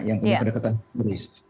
yang punya kedekatan historis